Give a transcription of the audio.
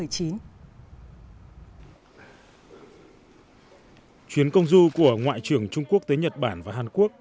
chuyến công du của ngoại trưởng trung quốc tới nhật bản và hàn quốc